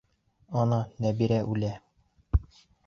Ана, Нәбирә үлә!